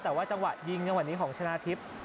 แต่ว่าจังหวะยิงจังหวะนี้ของชนะทิพย์